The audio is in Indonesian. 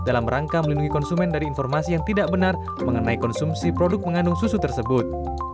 dalam rangka melindungi konsumen dari informasi yang tidak benar mengenai konsumsi produk mengandung susu tersebut